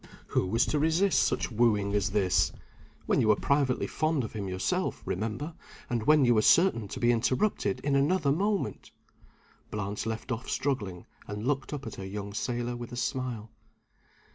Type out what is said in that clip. _" Who was to resist such wooing as this? when you were privately fond of him yourself, remember, and when you were certain to be interrupted in another moment! Blanche left off struggling, and looked up at her young sailor with a smile.